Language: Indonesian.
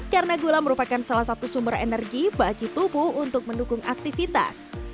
karena gula merupakan salah satu sumber energi bagi tubuh untuk mendukung aktivitas